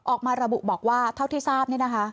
ออกมาระบุบอกว่าเท่าที่ทราบนี่นะคะ